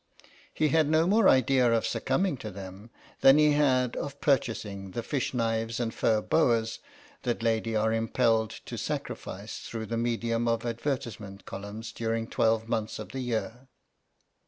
He had no more idea of suc cumbing to them than he had of purchasing the fish knives and fur boas that ladies are impelled to sacrifice through the medium of advertisement columns during twelve months of the year.